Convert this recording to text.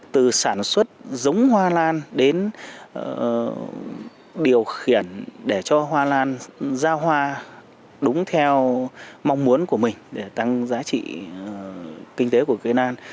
từ sản xuất giống hoa lan đến điều khiển để cho hoa lan ra hoa đúng theo mong muốn của mình để tăng giá trị kinh tế của cây nan